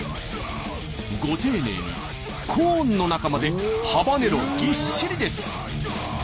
ご丁寧にコーンの中までハバネロぎっしりです。